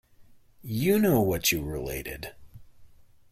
You know what you related.